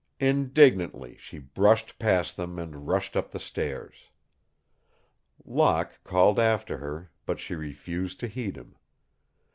Indignantly she brushed past them and rushed up the stairs. Locke called after her, but she refused to heed him.